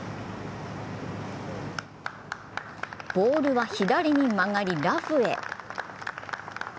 ボールは左に曲がり、ラフへ。